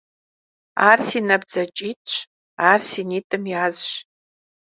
Ар си набдзэкӀитӀщ, ар си нитӀым язщ.